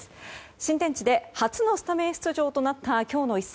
新天地で初のスタメン出場となった今日の一戦。